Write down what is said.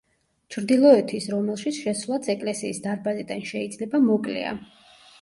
ჩრდილოეთის რომელშიც შესვლაც ეკლესიის დარბაზიდან შეიძლება, მოკლეა.